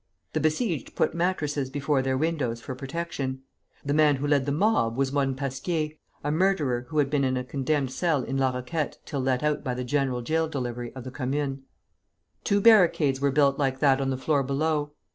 The besieged put mattresses before their windows for protection. The man who led the mob was one Pasquier, a murderer who had been in a condemned cell in La Roquette till let out by the general jail delivery of the Commune. Two barricades were built like that on the floor below.